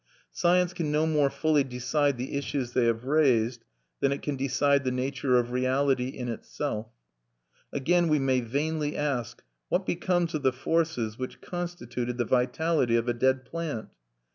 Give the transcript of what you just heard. Science can no more fully decide the issues they have raised than it can decide the nature of Reality in itself. Again we may vainly ask, What becomes of the forces which constituted the vitality of a dead plant?